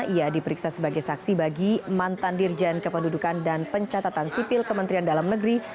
ia diperiksa sebagai saksi bagi mantan dirjen kependudukan dan pencatatan sipil kementerian dalam negeri